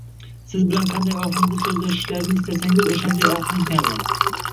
Siz bilan qanday ohangda so‘zlashishlarini istasangiz o‘shanday ohang tanlang.